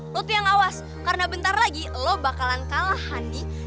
lo tiang awas karena bentar lagi lo bakalan kalah honey